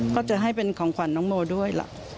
ก็จะให้เป็นของขวัญน้องโมด้วยล่ะ